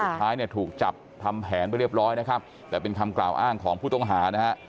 สุดท้ายเนี่ยถูกจับทำแผนไปเรียบร้อยนะครับแต่เป็นคำกล่าวอ้างของผู้ต้องหานะฮะ